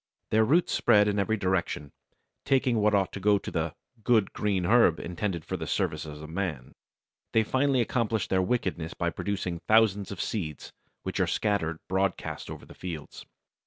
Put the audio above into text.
Their roots spread in every direction, taking what ought to go to the "good green herb intended for the service of man." They finally accomplish their wickedness by producing thousands of seeds, which are scattered broadcast over the fields.